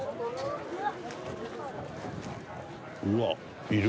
「うわっいる」